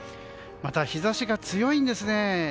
また、日差しが強いんですね。